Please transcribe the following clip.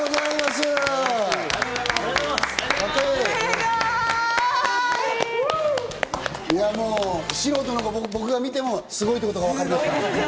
すごい！いや、もう素人の僕が見ても、すごいことがわかります。